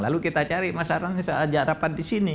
lalu kita cari masalahnya saja rapat di sini